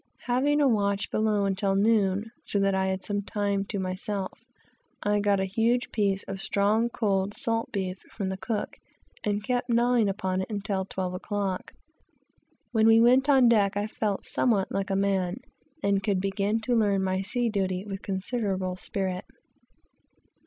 We had a watch below until noon, so that I had some time to myself; and getting a huge piece of strong, cold, salt beef from the cook, I kept gnawing upon it until twelve o'clock. When we went on deck I felt somewhat like a man, and could begin to learn my sea duty with considerable spirit.